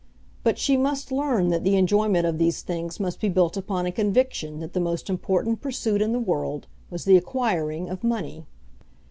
But she must learn that the enjoyment of these things must be built upon a conviction that the most important pursuit in the world was the acquiring of money.